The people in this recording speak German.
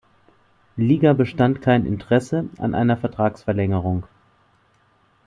Liga bestand kein Interesse an einer Vertragsverlängerung.